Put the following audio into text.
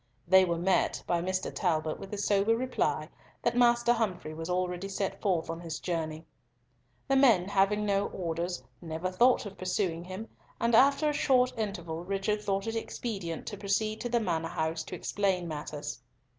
They were met by Mr. Talbot with the sober reply that Master Humfrey was already set forth on his journey. The men, having no orders, never thought of pursuing him, and after a short interval Richard thought it expedient to proceed to the Manor house to explain matters.